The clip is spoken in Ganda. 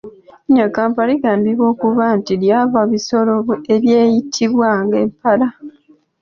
Erinnya Kampala ligambibwa okuba nti lyava bisolo ebwayitibwanga empala.